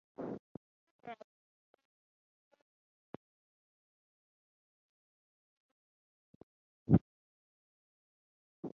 Several smaller priories, dependent on the monastery, were founded on these lands.